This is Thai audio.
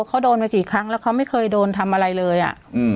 เขาโดนไปกี่ครั้งแล้วเขาไม่เคยโดนทำอะไรเลยอ่ะ